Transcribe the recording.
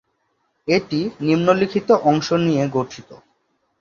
এটি নিম্নলিখিত অংশ নিয়ে গঠিত।